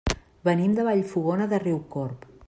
Venim de Vallfogona de Riucorb.